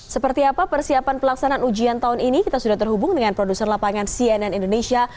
seperti apa persiapan pelaksanaan ujian tahun ini kita sudah terhubung dengan produser lapangan cnn indonesia